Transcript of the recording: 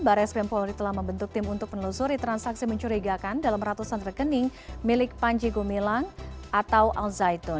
baris krim polri telah membentuk tim untuk penelusuri transaksi mencurigakan dalam ratusan rekening milik panji gumilang atau al zaitun